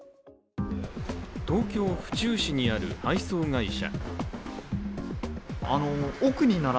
東京・府中市にある配送会社。